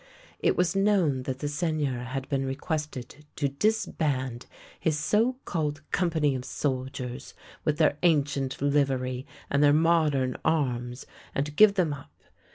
It was known that the Seigneur had been requested to disband his so called company of soldiers with their ancient livery and their modern arms, and to give them up.